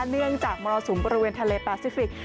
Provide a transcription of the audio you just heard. เนื่องจากมรสูงประเมินทะเลปาซิฟิกส์